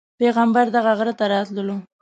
پیغمبر دغه غره ته راتللو.